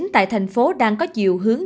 tại thành phố đang có triều hướng